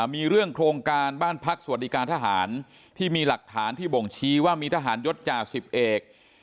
มีเรื่องโครงการบ้านพักสวัสดิการทหารที่มีหลักฐานที่บ่งชี้ว่ามีทหารยศจ่าสิบเอก